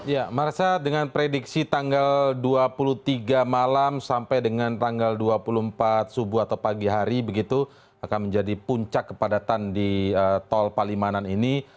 ya marsha dengan prediksi tanggal dua puluh tiga malam sampai dengan tanggal dua puluh empat subuh atau pagi hari begitu akan menjadi puncak kepadatan di tol palimanan ini